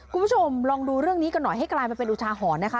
คุณผู้ชมลองดูเรื่องนี้กันหน่อยให้กลายมาเป็นอุทาหรณ์นะคะ